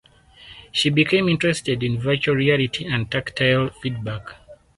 She became interested in virtual reality and tactile feedback.